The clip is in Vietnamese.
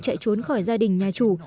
chạy trốn khỏi gia đình nhà chủ